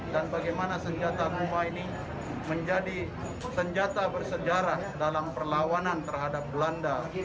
dan bagaimana senjata guma ini menjadi senjata bersejarah dalam perlawanan terhadap belanda